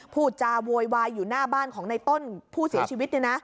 พูดจาโวยวายอยู่หน้าบ้านของในต้นผู้เสียชีวิต